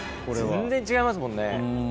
全然違いますもんね。